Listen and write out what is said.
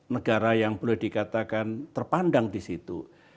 negara yang boleh dikatakan terpandang di situ